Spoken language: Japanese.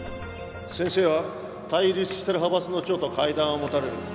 先生は対立している派閥の長と会談を持たれる。